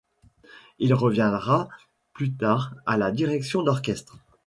Il reviendra plus tard à la direction d’orchestre.